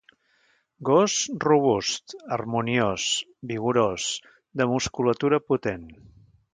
Gos robust, harmoniós, vigorós, de musculatura potent.